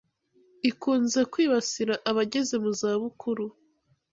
ikunze kwibasira abageze mu zabukuru.